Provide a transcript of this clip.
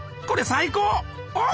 これ最高！